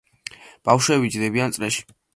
ბავშვები ჯდებიან წრეში.